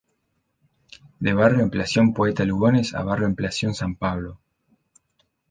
De B° Ampliación Poeta Lugones a B° Ampliación San Pablo.